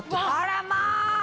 あらま！